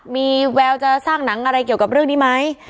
มีแววจะสร้างหนังอะไรเกี่ยวกับเรื่องนี้ไหม